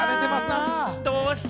どうした？